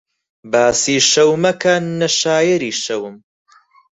باسی شەو مەکە نە شایەری شەوم